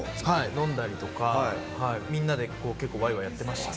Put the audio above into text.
飲んだりとか、みんなで結構わいわいやってましたね。